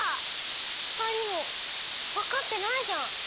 ふたりもわかってないじゃん。